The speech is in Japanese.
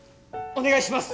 お願いします！